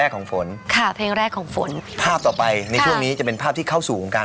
ของฝนค่ะเพลงแรกของฝนภาพต่อไปในช่วงนี้จะเป็นภาพที่เข้าสู่วงการ